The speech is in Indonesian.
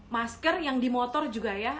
masker yang di motor juga ya